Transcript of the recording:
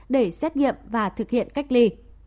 để xét nghiệm và thực hiện cách ly